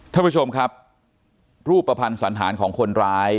ท่านผู้ชมครับรูปภัณฑ์สันธารของคนร้าย